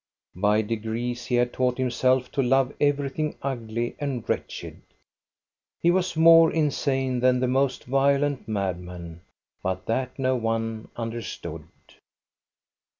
By degrees he had taught him self to love everything ugly and wretched. He was more insane than the most violent madman, but that no one understood.